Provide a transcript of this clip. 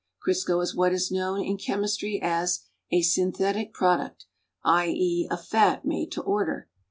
Crisco is what is known in chemistry as a .synthetic product, i. e. "a fat made to order."